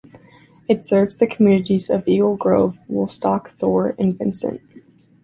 It serves the communities of Eagle Grove, Woolstock, Thor, and Vincent.